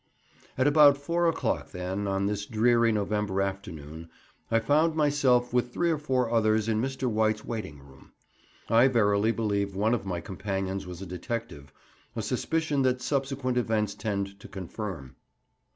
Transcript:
At about four o'clock, then, on this dreary November afternoon I found myself with three or four others in Mr. White's waiting room. I verily believe one of my companions was a detective, a suspicion that subsequent events tend to confirm.